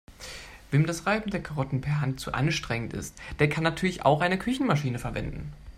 Wem das Reiben der Karotten per Hand zu anstrengend ist, der kann natürlich auch eine Küchenmaschine verwenden.